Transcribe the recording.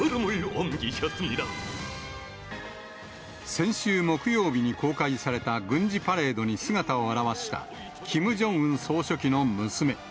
先週木曜日に公開された軍事パレードに姿を現した、キム・ジョンウン総書記の娘。